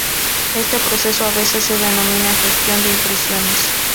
Este proceso a veces se denomina "gestión de impresiones".